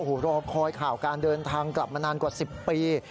โอ้โหรอคอยข่าวการเดินทางกลับมานานกว่า๑๐ปี